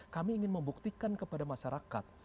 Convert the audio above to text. kami ingin membuktikan kepada masyarakat